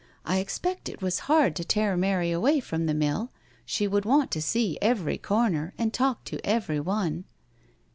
I expect it was hard to tear Mary away from the mill — she would want to see every corner and talk to everyone."